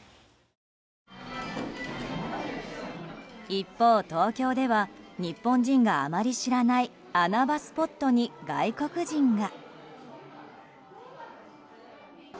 一方、東京では日本人があまり知らない穴場スポットに、外国人が。